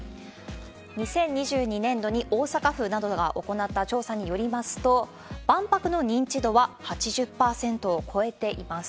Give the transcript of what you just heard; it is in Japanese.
２０２２年度に、大阪府などが行った調査によりますと、万博の認知度は８０％を超えています。